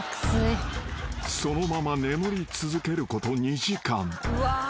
［そのまま眠り続けること２時間］